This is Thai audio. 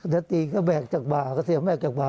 ถ้าตีก็แบกจากบ่าก็เสียแบกจากบ่า